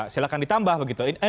silahkan ditambah begitu